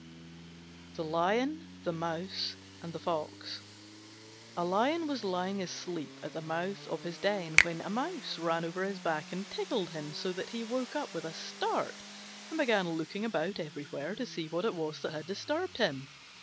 THE LION, THE MOUSE, AND THE FOX A Lion was lying asleep at the mouth of his den when a Mouse ran over his back and tickled him so that he woke up with a start and began looking about everywhere to see what it was that had disturbed him.